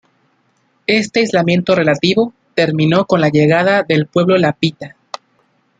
Este aislamiento relativo terminó con la llegada del pueblo Lapita.